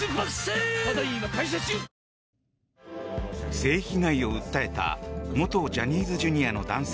性被害を訴えた元ジャニーズＪｒ．の男性